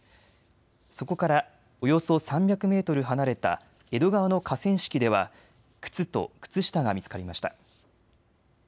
そこからおよそ３００メートル離れた江戸川の河川敷では靴と靴下が見つかりました。